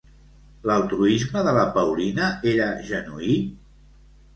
L'altruisme de la Paulina era genuí?